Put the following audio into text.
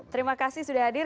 terima kasih sudah hadir